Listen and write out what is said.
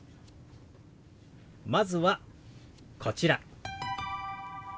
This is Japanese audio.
まずはこちら。